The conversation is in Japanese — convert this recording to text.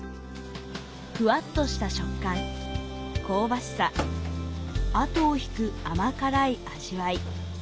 ふわっとした食感、香ばしさ、あとを引く甘辛い味わい。